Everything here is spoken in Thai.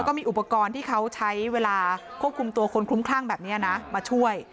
ก็มีอุปกรณ์ที่เขาใช้เวลาควบคุมตัวคนคลุ้มคลั่งแบบนี้นะมาช่วย